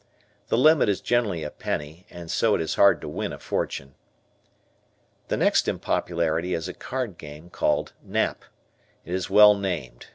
The limit is generally a penny, so it is hard to win a fortune. The next in popularity is a card game called "Nap." It is well named.